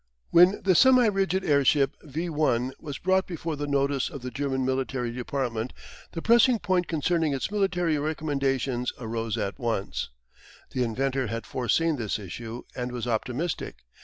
When the semi rigid airship "V I" was brought before the notice of the German military department the pressing point concerning its military recommendations arose at once. The inventor had foreseen this issue and was optimistic.